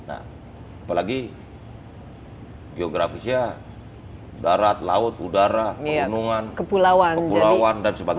apalagi geografisnya darat laut udara pegunungan kepulauan dan sebagainya